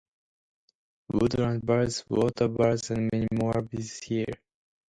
Woodland birds, water birds and many more visit here.